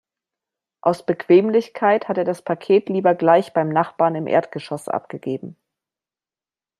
Aus Bequemlichkeit hat er das Paket lieber gleich beim Nachbarn im Erdgeschoss abgegeben.